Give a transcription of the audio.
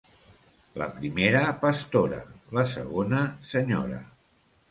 La primera, pastora; la segona, senyora.